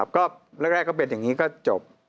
ก็แรกก็เป็นอย่างนี้ก็จบ